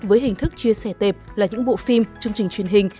với hình thức chia sẻ tệp là những bộ phim chương trình truyền hình